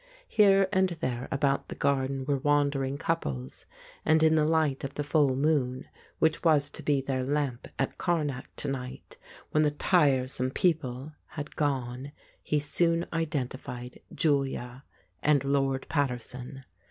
Here and there about the garden were wandering couples, and in the light of the full moon, which was to be their lamp at Karnak to night when the "tiresome people " had gone, he soon identified Julia and Lord Paterson.